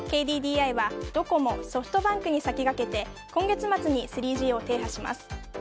ＫＤＤＩはドコモ、ソフトバンクに先駆けて今月末に３Ｇを停波します。